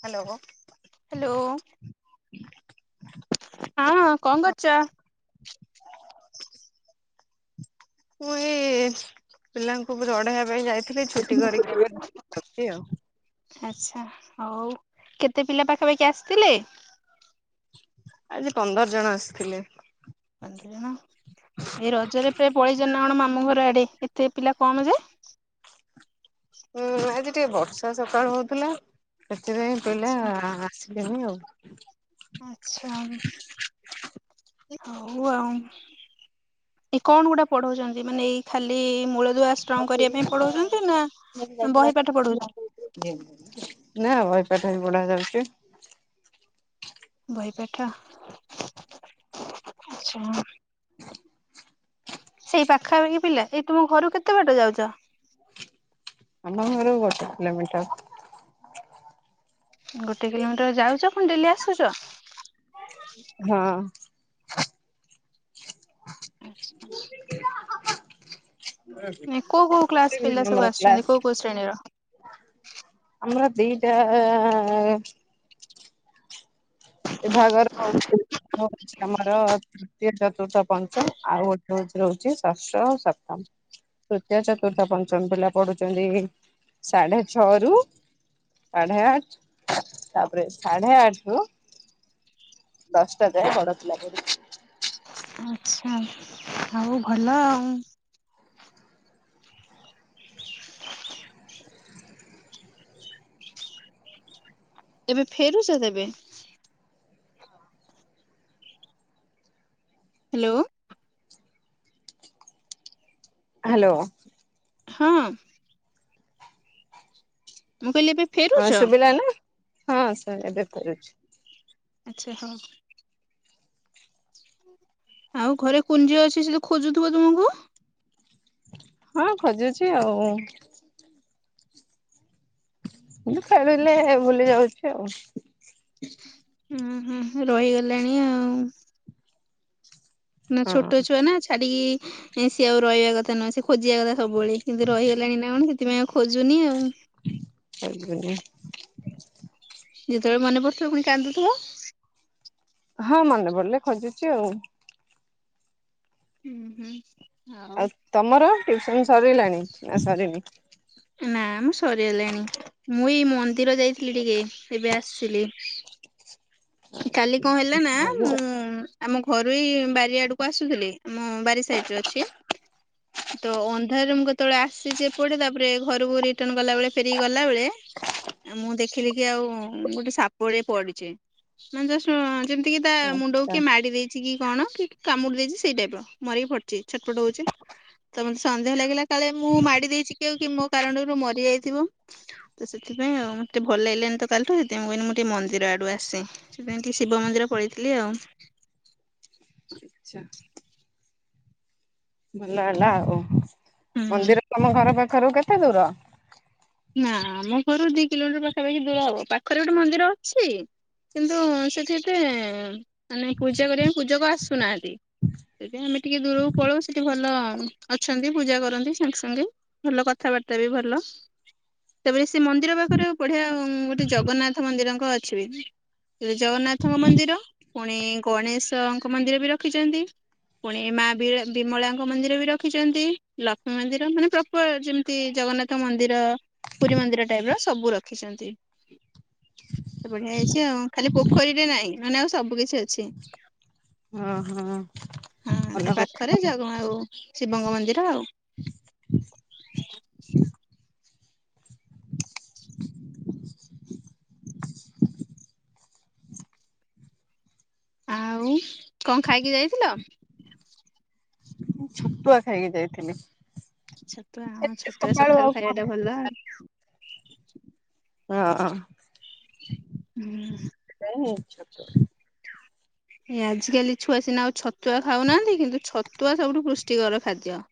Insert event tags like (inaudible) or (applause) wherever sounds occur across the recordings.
Hello. Hello. ହଁ କଣ କରୁଚ? ମୁଁ ଏଇ ପିଲାଙ୍କୁ ପଢେଇବା ପାଇଁ ଯାଇଥିଲି ଛୁଟି କରିକି ଏବେ ଇ ଆଉ। ଆଚ୍ଛା ହଉ କେତେ ପିଲା ପାଖାପାଖି ଆସିଥିଲେ? ଆଜି ପନ୍ଦର ଜଣ ଆସିଥିଲେ। ପନ୍ଦର ଜଣ ଏଇ ରଜରେ ପ୍ରାୟ ପଳେଇଛନ୍ତି ନା କଣ ମାମୁଁ ଘର ଆଡେ ଏତେ ପିଲା କମ ଯେ। ଉଁ ଆଜି ଟିକେ ବର୍ଷା ସକାଳୁ ହଉଥିଲା ସେଥିପାଇଁ ପିଲା ଆଚ୍ଛା। ଆସିଲେନି ଆଉ। ଆଚ୍ଛା ହଉ ଆଉ। ଏଇ କଣ ଗୋଟେ ପଢଉଛନ୍ତି ମାନେ ଏଇ ଖାଲି ମୂଳଦୁଆ ଷ୍ଟ୍ରଙ୍ଗ କରିବା ପାଇଁ ପଢଉଛନ୍ତି ନା ବହି ପାଠ ପଢଉଛନ୍ତି? (unintelligible) ନା ବହିପାଠ ବି ପଢା ଯାଉଚି। ବହିପାଠ ଆଚ୍ଛା। ସେଇ ପାଖାପାଖି ପିଲା ଏଇ ତୁମ ଘରୁ କେତେ ବାଟ ଯାଉଚ? ଆମ ଘରୁ ଗୋଟେ କିଲୋମିଟର। ଗୋଟେ କିଲୋମିଟର ଯାଉଛ ପୁଣି ଡେଲି ଆସୁଚ? ହଁ। ଆଚ୍ଛା। କୋଉ କୋଉ କ୍ଲାସ (unintelligible) ପିଲା ସବୁ ଆସୁଛନ୍ତି କୋଉ କୋଉ ଶ୍ରେଣୀର? କ୍ଲାସ। ଆମର ଦି ଟା। ଏ ଭାଗର ହଉଛି (unintelligible) ତୃତୀୟ, ଚତୁର୍ଥ, ପଞ୍ଚମ ଆଉ ଗୋଟେ ହଉ ରହୁଛି ଷଷ୍ଠ ଆଉ ସପ୍ତମ। ତୃତୀୟ, ଚତୁର୍ଥ, ପଞ୍ଚମ ପିଲା ପଢୁଛନ୍ତି ସାଢେ ଛଅରୁ। ସାଢ଼େ ଆଠ ତାପରେ ସାଢ଼େ ଆଠ ରୁ। ଦଶ ଟା ଯାଏ ବଡ ପିଲା ପଢ଼ି (inaudible) ଉଁ ଆଚ୍ଛା ଆଉ ଭଲ ଆଉଁ। ଏବେ ଫେରୁଛ ତେବେ। ହ୍ୟାଲୋ, ହ୍ୟାଲୋ, ହଁ। ମୁଁ କହିଲି ଏବେ ହଁ ଫେରୁଛ? ଶୁଭିଲା ନା ହଁ (unintelligible) ଅଛି (inaudible) ଆଚ୍ଛା ହଁ, ଆଉ ଘରେ କୁନି ଝିଅ ଅଛି, ସେ ତ ଖୋଜୁଥିବ ତୁମକୁ। ହଁ ଖୋଜୁଛି ଆଉ ହୁଁ ଖେଳିଲେ ଭୁଲି ଯାଉଛି ଆଉ। ହୁଁ ହୁଁ ରହିଗଲାଣି ଆଉ ନା ହଁ ଛୋଟ ଛୁଆ, ନା ଛାଡିକି ସିଏ ଆଉ ରହିବା କଥା ନୁହଁ। ଖୋଜିବା କଥା ସବୁବେଳେ କିନ୍ତୁ ରହିଗଲାଣି ନା କଣ ସେଥିପାଇଁ ଆଉ ଖୋଜୁନି ଆଉ (unintelligible) ଯେତେବେଳେ ମନେ ପଡୁଥିବ ପୁଣି କାନ୍ଦୁଥିବ, ହଁ ମନେ ପଡିଲେ ଖୋଜୁଛି ଆଉ ଉଁ ହୁଁ, ଆଉ ତମର ଟିଉସନ୍, ସରିଲାଣି ନା ସରିନି ନା ମ ସରିଗଲାଣି ମୁଁ ଏଇ ମନ୍ଦିର ଯାଇଥିଲି ଟିକେ ଏବେ ଆସିଲି। କାଲି କଣ ହେଲା ନା ମୁଁ, ଆମ ଘରୁଇ ବାରି ଆଡକୁ ଆସୁଥିଲି ଆମ ବାରି ସାଇଟ୍ ରେ ଅଛି। ତ ଅନ୍ଧାରେ ମୁଁ କେତେବେଳେ ଆସିଛି ଏପଟେ ତାପରେ ଘରୁ ଘୁରି। (inaudible) ରିଟର୍ଣ ଗଲା ବଳେ ଫେରିକି ଗଲା ବେଳେ ମୁଁ ଦେଖିଲି କି ଆଉ ଗୋଟେ ସାପ ଟେ ପଡିଚି। ମାନେ ଯଷ୍ଟ ଯେମିତି କିି ତା ମୁଣ୍ଡକୁ ଆଛା କିଏ ମାଡି ଦେଇଛି। କି କଣ କି କାମୁଡି ଦେଇଛି, ସେଇ ଟାଇପ ର ମରିକି ପଡିଚି ଛଟ ପଟ ହଉଛି। ତ ମତେ ସନ୍ଦେହ ଲାଗିଲା। କାଳେ ମୁଁ ମାଡି ଦେଇଛି କି ଆଉ ମୋ କାରଣରୁ ମରି ଯାଇଥିବ। ତ ସେଥିପାଇଁ ଆଉ ମତେ ଭଲ ଲାଗିଲାନି ତ କାଲିଠୁ ସେଥିପାଇଁ କହିଲି ମୁଁ ଟିକେ ମନ୍ଦିର ଆଡୁ ଆସେ। ସେଥିପାଇ ଟିକେ ଶିବ ମନ୍ଦିର ପଳେଇଥିଲି ଆଉ। ଆଚ୍ଛା, ଭଲ ହେଲା ଆଉ ହୁଁ। ହୁଁ। ମନ୍ଦିର, ତମ ଘର ପାଖରୁ କେତେ ଦୂର। ନା ଆମ ଘରୁ ଦି କିଲୋମିଟର, ପାଖାପାଖି ଦୂର ହବ ପାଖରେ ଗୋଟେ ମନ୍ଦିର ଅଛି। କିନ୍ତୁ ସେଠି ଏତେ ମାନେ ପୂଜା କରିବା ପାଇଁ ପୂଜକ ଆସୁନାହାଁନ୍ତି। ସେଥିପାଇଁ ଆମେ ଟିକେ ଦୂରକୁ ପଳଉ ସେଠି ଭଲ, ଅଛନ୍ତି ପୂଜା କରନ୍ତି। ସାଙ୍ଗେ ସାଙ୍ଗେ ଭଲ କଥାବାର୍ତ୍ତା ବି ଭଲ। ତା ପରେ ସେ ମନ୍ଦିର ପାଖରେ ବଢିଆ ଗୋଟେ ଜଗନ୍ନାଥ ମନ୍ଦିରଙ୍କ ଅଛି ବି। ଶ୍ରୀଜଗନ୍ନାଥଙ୍କ ମନ୍ଦିର, ପୁଣି ଗଣେଶଙ୍କ ମନ୍ଦିର ବି ରଖିଚନ୍ତି। ପୁଣି ମା ବି ବିମଳାଙ୍କ ମନ୍ଦିର ବି ରଖିଛନ୍ତି ଲକ୍ଷ୍ମୀ, ମନ୍ଦିର ମାନେ। ଯେମିତି ଜଗନ୍ନାଥ, ମନ୍ଦିର। ତ ପୁରୀ, ମନ୍ଦିର ଟାଇପର ସବୁ ରଖିଛନ୍ତି। ବଢିଆ ହେଇଚି ଆଉ ଖାଲି ପୋଖରୀରେ, ନାହିଁ ମାନେ ଆଉ ସବୁ କିିଛି ଅଛି। ଓ ହୋ ଭଲ କଥା। ଥରେ ଯାଉଶିବଙ୍କ ମନ୍ଦିର ଆଉ (inaudible) (inaudible) (inaudible) ଆଉ କଣଖାଇକି ଯାଇଥିଲ। ଛତୁଆ, ଖାଇକି ଯାଇଥିଲି। ଛତୁଆ, ଆମ ଏତେ ଛତୁଆ ସକାଳୁ ସକାାଳୁ ଆଉ ଖାଇବା କଣ ଟା ଖାଇବ? ଭଲ। ହଁ। ହୁଁ। (unintelligible) ଆଜିକାଲି ଛୁଆ ସିନା ଆଉ ଛତୁଆ ଖାଉନାହାନ୍ତି କିନ୍ତୁ ଛତ ଛତୁଆ ସବୁଠୁ ପୁଷ୍ଟିକର ଖାଦ୍ୟ।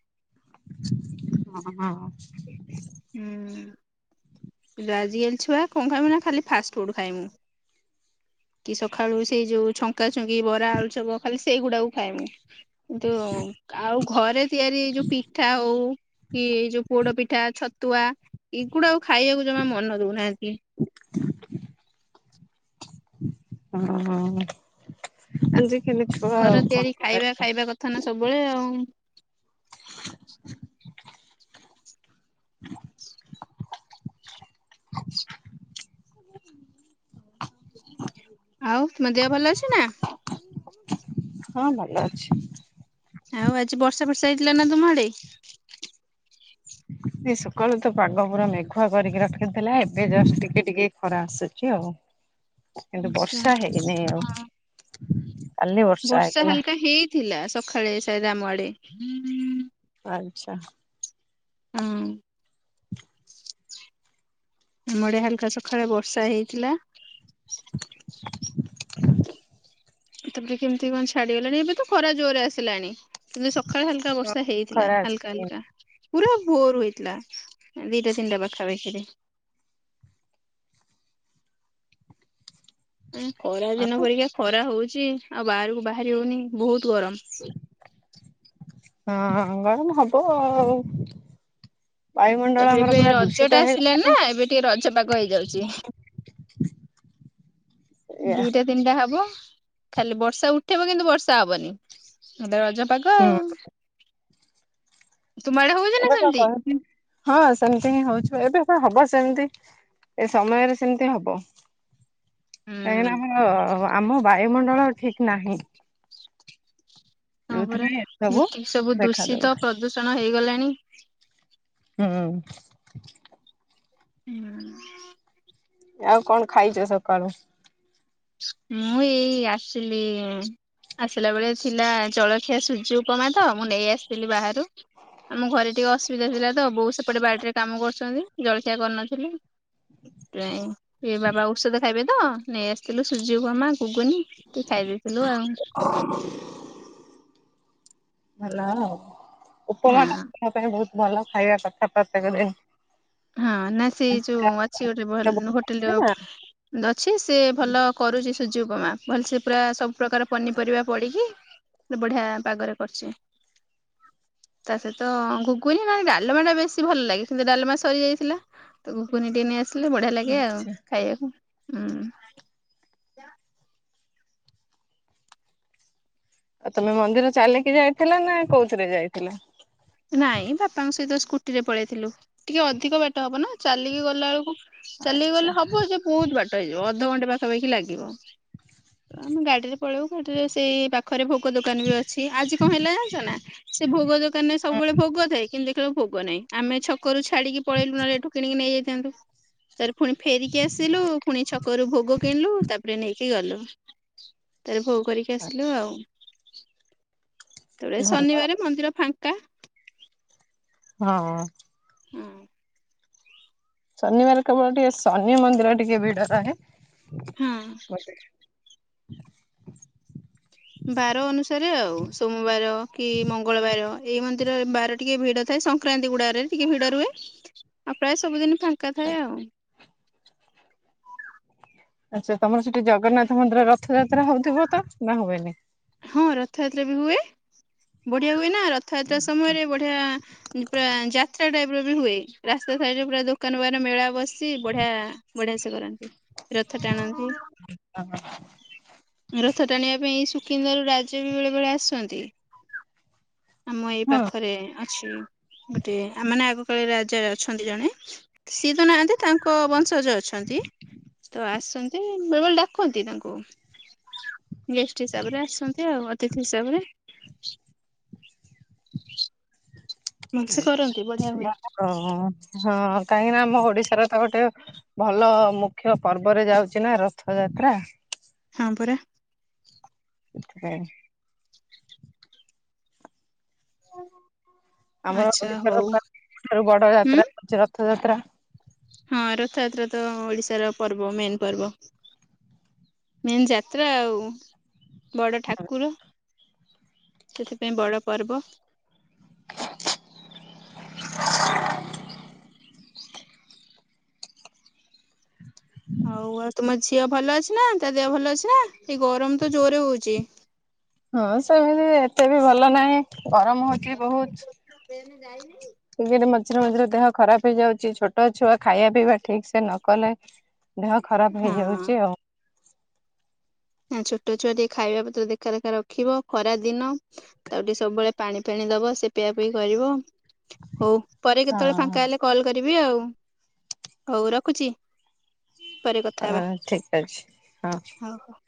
ଓ ହଁ ହିଁ। ହଁ ଆଜିକାଲି ଛୁଆ କଣ ଖାଇମୁ ନା ଖାଲି ଫାଷ୍ଟ ଫୁଡ୍ ଖାଇବୁ। କି ସକାଳୁ ସେଇ ଯୋଉ ଛଙ୍କା ଛୁଙ୍କି ବରା ଆଳୁ ଚପ ଖାଲି ସେଇଗୁଡାକୁ ଖାଇବୁ। କିନ୍ତୁ ଆଉ ଘରେ ତିଆରି ଯୋଉ ପିଠା ହଉ କି ଏଇ ଯୋଉ ପୋଡ ପିଠା ଛତୁଆ ଏଇଗୁଡା ଖାଇବାକୁ ଜମା ମନ ଦଉନାହାନ୍ତି। (inaudible) ଓ (unintelligible) ଆଜି କେମିତି କହ ଘର ତିଆରି ଖାଇବା (unintelligible) (unintelligible) ସବୁବେଳେ ଆଉ। ଆଉ ତମ ଦେହ ଭଲ ଅଛି ନା? ହଁ ଭଲ ଅଛି। ଆଉ ଆଜି ବର୍ଷା ବର୍ଷା ହେଇଥିଲା ନା ତମ ଆଡେ? ଏ ସକାଳୁ ତ ପାଗ ପୁରା ମେଘୁଆ କରିକି ରଖିଥିଲା ଏବେ ଜଷ୍ଟ ଟିକେ ଟିକେ ଖରା ଆସୁଛି ଆଉ। କିନ୍ତୁ ଆଚ୍ଛା ବର୍ଷା ହେଇନିଁ ଆଉ ହଁ। କାଲି ବର୍ଷା ହେଇଥିଲା। ଥିଲା ସକାଳେ (unintelligible) ଆମ ଆଡ଼େ। ଆଚ୍ଛା। (unintelligible) ଆମ ଆଡ଼େ ହାଲକା ସକାଳେ ବର୍ଷା ହେଇଥିଲା। ତାପରେ କେମିତି କଣ ଛାଡିଗଲାଣି ଏବେ ତ ଖରା ଜୋରରେ ଆସିଲାଣି। କିନ୍ତୁ ସକାଳେ ହାଲକା ବର୍ଷା ହେଇଥିଲା ଖରା ହାଲକା ଆସିନି ହାଲକା। ପୁରା ଭୋର ହୋଇଥିଲା ଦିଇଟା ତିନିଟା ପାଖା ପାଖିରେ। ଖରା ଦିନ ପରିକା ଖରା ହୋଉଛି ଆଉ ବାହାରକୁ ବାହାରି ହୋଉନି ବୋହୁତ ଗରମ। ହଁ ଗରମ ହବ ଆଉ। ବାୟୁମଣ୍ଡଳ ତାପରେ ଆମର ଏବେ ପୁରା ରଜ ଟା ଦୂଷିତ ଆସିଲାଣି ନା ହେଇଗଲାଣି। ଏବେ ଟିକେ ରଜ ପାଗ ହେଇଯାଉଛି। ଏଇଆ ଦିଟା ତିନିଟା ହବ ଖାଲି ବର୍ଷା ଉଠାଇବ କିନ୍ତୁ ବର୍ଷା ହବନି। (unintelligible) ରଜ ପାଗ ହୁଁ ଆଉ। ତୁମ ଆଡେ ହଉଛି ନା ସେମିତି ହଁ ସେମିତି ହିଁ ହୋଉଚି ଏବେ ତ ହଁ ହବ ସେମିତି। ଏ ସମୟରେ ସେମିତି ହବ ହୁଁ କାହିଁକିନା ଆମ ବା ବାୟୁ ମଣ୍ଡଳ ଠିକ ନାହିଁ। ହଁ ପରା ଯୋଉଥିପାଇଁ ଏ ଯେତିକି ସବୁ ଦେଖା ଦୂଷିତ ଦଉଛି। ପ୍ରଦୂଷଣ ହେଇଗଲାଣି। ହଁ। ହୁଁ। ଆଉ କଣ ଖାଇଛ ସକାଳୁ? ମୁଁ ଏଇ ଆସିଲି ଆସିଲା ବେଳେ ଥିଲା ଜଳଖିଆ ସୂଜି ଉପମା ତ ମୁଁ ନେଇ ଆସିଥିଲି ବାହାରୁ। ଆମ ଘରେ ଟିକେ ଅସୁବିଧା ଥିଲା ତ, ବୋଉ ସେପଟେ ବାଡ଼ିରେ କାମ କରୁଛନ୍ତି, ଜଳଖିଆ କରିନଥିଲେମ୍ ନାଇଁ ଏ ବାବା ଔଷଧ ଖାଇବେ ତ ନେଇ ଆସିଲି। ସୂଜି ଉପମା ଘୁଗୁନି ଖାଇ ଦେଇଥିଲୁ ଆଉ। ଭଲ ଆଉ, ହଁ ଉପମା ଟା ଦେହପାଇଁ ବହୁତ ଭଲ ଖାଇବା କଥା ପ୍ରତ୍ୟେକ ଦିନ। ହାଁ ନା ସେ ଯୋଉ ଅଛି ଗୋଟେ ଭଲ୍‌ ହୋଟେଲର ଅଛି ସେ ଭଲ କରୁଛି ସୁଜି ଉପମା ଭଲସେ ପୁରା ସବୁ ପ୍ରକାର ପନିପରିବା ପଡ଼ିକି। ବଢ଼ିଆ ପାଗରେ କରୁଛି। ତା ସହିତ ଘୁଗୁନୀ ମାନେ ଡାଲମା ଟା ବେଶୀ ଭଲ ଲାଗେ କିନ୍ତୁ ଡାଲମା ସ ସରିଯାଇଥିଲା ତ ଘୁଗୁନିଟିକେନେଇ ଆସିଲୁ ବଢ଼ିଆ ଲାଗେ ଆଉ ଆଚ୍ଛା। ଖାଇବାକୁ ହୁଁ। ଆଉ ତମେ ମନ୍ଦିର ଚାଲିକି ଯାଇଥିଲା ନା କୋଉଥିରେ ଯାଇଥିଲା? ନାଇଁ ବାପାଙ୍କ ସହିତ ସ୍କୁଟି ରେ ପଳେଇଥିଲୁ ଟିକେ ଅଧିକ ବାଟ ହବ ନା ଚାଲିକି ଗଲା ବେଳକୁ ଚାଲି ଆଚ୍ଛା। କିଗଲେ ହବ ଯେ ବହୁତ ବା ଟ ହେଇଯିବ ଅଧଘଣ୍ଟେ ପାଖାପାଖି ଲାଗିବ ତ ଆମେ ଗାଡ଼ିରେ (unintelligible) ପାଖରେ ଭୋଗ ଦୋକାନ ବି ଅଛି ଆଜି କଣ ହେଲା ଜାଣିଛ ନା ସେ ଭୋଗ ଦୋକାନରେ ସବୁବେଳେ ଭୋଗ ଥାଏ କିନ ଦେଖିଲାବେଳକୁ ଭୋଗ ନାହିଁ ଆମେ ଛକରୁ ଛାଡ଼ିକି ପଳେଇଲୁ ନହେଲେ ଏଠୁ କିଣିକି ନେଇଯାଇଥାନ୍ତୁ। ତାପରେଫୁଣି ଫେରିକି ଆସିଲୁ ଫୁଣି ଛ କରୁ ଭୋଗ କିଣିଲୁ ତାପରେ ନେଇକି ଗଲୁ ତାପରେ ଭୋଗ କରିକି ଆସିଲୁ ଆଉ। ତାପରେ ଭଲ ଆଉ ଶନିବାର ମନ୍ଦିର ଫାଙ୍କା। ହଁ। ହଁ। ଶନିବାର କେବଳ ଟିକେ ଶନି ମନ୍ଦିର ଟିକେ ଭିଡ଼ ରହେ। ହଁ। ବାର ଅନୁସାରେ ଆଉ ସୋମବାର କି ମଙ୍ଗଳବାର। ଏଇ ମନ୍ଦିରରେ ବାର ଟିକେ ଭିଡ଼ ଥାଏ ସଂକ୍ରାନ୍ତି ଗୁଡ଼ା ରେ ଟିକେ ଭିଡ଼ ରୁହେ ଆଉ ପ୍ରାୟ ସବୁଦିନ ଫାଙ୍କା ଥାଏ ଆଉ। ଆଚ୍ଛା ତମର ସେଠି ଜଗନ୍ନାଥ ମନ୍ଦିର ରଥଯାତ୍ରା ହଉଥିବ ତ ନା ହୁଏନି? ହଁ ରଥଯାତ୍ରା ବି ହୁଏ ବଢ଼ିଆ ହୁଏ ନା ରଥଯାତ୍ରା ସମୟରେ ବଢ଼ିଆ ପୁରା ଯାତ୍ରା ଟାଇପ୍ ର ବି ହୁଏ ରାସ୍ତା ସାଇଟ୍ ରେପୁରା ଦୋକାନ ମାନମେଳା ବସିଚି ବଢ଼ିଆ ବଢ଼ିଆ ସେ କରନ୍ତି। ରଥ ଟାଣନ୍ତି ରଥ ଟାଣିବା ପାଇଁ ଶୁ କିନ୍ଦାରୁରାଜ ବି ବେଳେ ବେଳେ ଆସନ୍ତି। ଆମ ଏଇ ନାଇଁ ପାଖରେ ଅଛି ଗୋଟିଏ ଆମାନେ ଆଗକୁ ସେ ରାଜରେ ଅଛନ୍ତି ଜଣେ ସିଏ ତ ନାହାନ୍ତି ତାଙ୍କ ବଂଶଜ ଅଛନ୍ତି। ତ ଆସନ୍ତି ବେଳେ ବେଳେ ଡାକନ୍ତି ତାଙ୍କୁ ଗେଷ୍ଟିସ୍ ତାପରେ ଆସନ୍ତି ଆଉ ଅତିଥି ହିସାବରେ। ଭଲସେ ଆଜ୍ଞା କରନ୍ତି ବଢିଆ ହୁଏ। ସିଏ ଆମର ହ ହଁ କାହିଁକି ନା ଆମ ଓଡ଼ିଶାରେ ତ ଗୋଟେ ଭଲ ମୁଖ୍ୟ ପର୍ବରେ ଯାଉଛି ନା ରଥଯାତ୍ରା। ହଁ ପରା। ସେଥିପାଇଁ ଆମର ଆଚ୍ଛା ଓଡ଼ିଶାର ହଉ ପୁରା ଠାରୁ ବଡ଼ ହୁଁ ଯାତ୍ରା (unintelligible) ରଥଯାତ୍ରା। ହଁ ରଥଯାତ୍ରା ତ ଓଡ଼ିଶାର ପର୍ବ ମେନ୍ ପର୍ବ। ମେନ୍ ଯାତ୍ରା ଆଉ। ବଡ଼ ଠାକୁର ସେଥିପାଇଁ ବଡ଼ ପର୍ବ। ହଉ ଆଉ ତମ ଝିଅ ଭଲ ଅଛି ନାଁ ତା ଦେହ ଭଲ ଅଛି ନାଁ ଏଇ ଗରମ ତ ଜୋରେ ହଉଛି? ହଁ ସେଇମିତି ଏତେ ବି ଭଲ ନାହିଁ ଗରମ ହଉଛି ବହୁଛ। (unintelligible) (unintelligible) ମଝିରେ ମଝିରେ ଦେହ ଖରାପ ହେଇଯାଉଛି ଛୋଟ ଛୁଆ ଖାଇବା ପିଇବା ଠିକ୍ ସେ ନ କଲେ ଦେହ ଖରାପ ହେଇଯାଉଚି ହଁ ଆଉ। ହଁ ଛୋଟ ଛୁଆ ଟିକେ ଖାଇବା ପତ୍ର ଦେଖାଦେଖା ରଖିବ ଖରା ଦିନ। ତାକୁ ଟିକେ ସବୁବେଳେ ପାଣି ଫାଣି ଦବ ସେ ପିଆ ପିଇ କରିବ ହଉ ପରେ କେତେବେଳେ ଫାଙ୍କା ହଁ ହେଲେ କଲ୍ କରିବି ହଉ ରଖୁଛି। ପରେ କଥା ହେବା ଠିକ ଅଛି ହଁ। ହଉ।